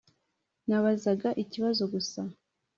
Nabazaga ikibazo gusa